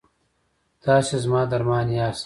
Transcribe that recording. تاسې زما درمان یاست؟